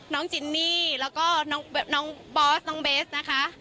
จินนี่แล้วก็น้องบอสน้องเบสนะคะ